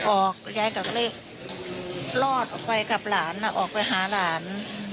ออกยายก็เลยลอดไปกับหลานออกไปหาหลาน